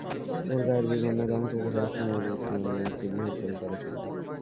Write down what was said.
ওর গায়ের বিবর্ণ রঙ, চোখের রহস্যময় জ্যোতি আমাকে বিহবল করে ফেলল।